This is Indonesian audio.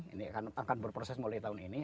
ini akan berproses mulai tahun ini